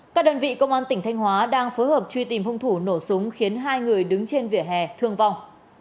các đơn vị công an tỉnh thanh hóa đang phối hợp truy tìm hung thủ nổ súng khiến hai người đứng trên vỉa hè thương vong